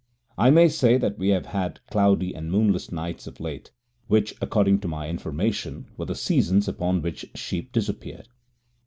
I may say that we have had cloudy and moonless nights of late, which according to my information were the seasons upon which sheep disappeared.